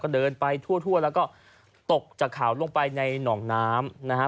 เดินไปทั่วแล้วก็ตกจากเขาลงไปในหนองน้ำนะฮะ